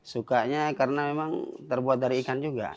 sukanya karena memang terbuat dari ikan juga